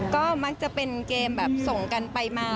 ก็มักจะเป็นเกมแบบส่งกันไปมา